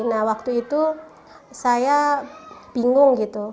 nah waktu itu saya bingung gitu